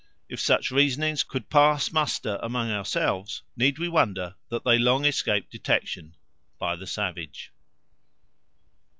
If such reasonings could pass muster among ourselves, need we wonder that they long escaped detection by the savage?